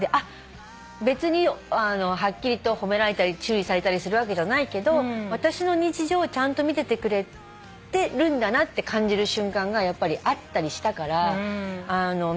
別にはっきりと褒められたり注意されたりするわけじゃないけど私の日常をちゃんと見ててくれてるんだなって感じる瞬間がやっぱりあったりしたから。